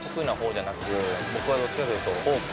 僕はどっちかというと。